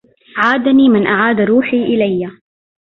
عادني من أعاد روحي إليا